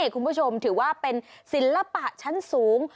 คุณผู้ชมถือว่าเป็นศิลปะชั้นสูง